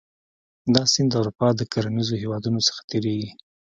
دا سیند د اروپا د کرنیزو هېوادونو څخه تیریږي.